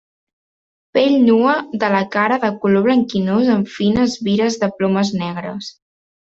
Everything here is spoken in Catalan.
Pell nua de la cara de color blanquinós amb fines vires de plomes negres.